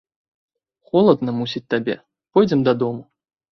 Холадна, мусіць, табе, пойдзем дадому.